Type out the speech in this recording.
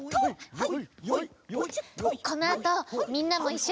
はい！